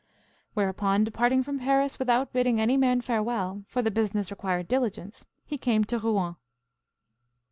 Whereupon departing from Paris without bidding any man farewell, for the business required diligence, he came to Rouen.